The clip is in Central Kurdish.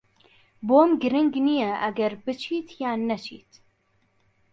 بۆم گرنگ نییە ئەگەر بچیت یان نەچیت.